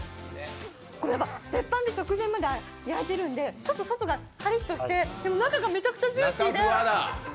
これ、鉄板で直前まで焼いてるんでちょっと外がカリッとして、でも中がめちゃくちゃジューシーで。